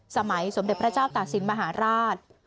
สมัยสมเด็จพระเจ้าตาสินมหาลาธ